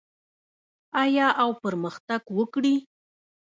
آیا او پرمختګ وکړي؟